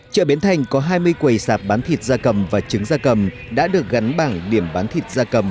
chợ bến thành có hai mươi quầy sạp bán thịt da cầm và trứng da cầm đã được gắn bảng điểm bán thịt da cầm